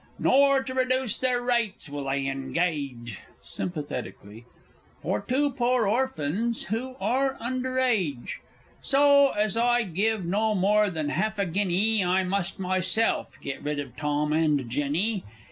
Nor, to reduce their rates, will they engage (Sympathetically) For two poor orphans who are under age! So (as I'd give no more than half a guinea) I must myself get rid of Tom and Jenny.